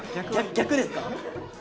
逆ですか？